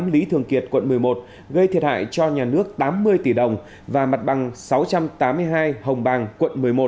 lý thường kiệt quận một mươi một gây thiệt hại cho nhà nước tám mươi tỷ đồng và mặt bằng sáu trăm tám mươi hai hồng bàng quận một mươi một